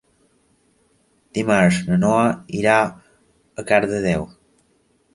Dimarts na Noa irà a Cardedeu.